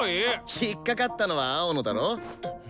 引っ掛かったのは青野だろ。